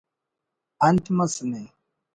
…… ”انت مس نے